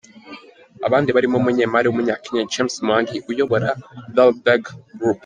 Abandi barimo umunyemari w’Umunya-Kenya, James Mwangi, uyobora, Dalberg Group.